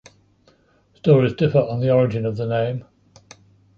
Stories differ on the origin of the name.